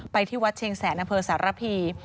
ที่วัดเชียงแสนอำเภอสารพี